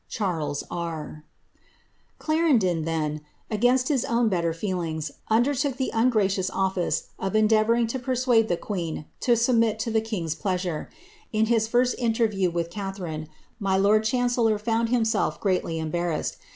(Ml, then, against his own better feelings, undertook the un ffice of endeavouring to persuade the queen to submit to the jure. In his first interview with Catharine, my lord chancellor lelf greatly embarrassed.